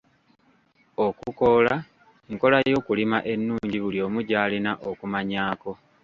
Okukoola nkola y'okulima ennnungi buli omu gy'alina okumanyaako.